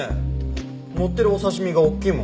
のってるお刺し身が大きいもん。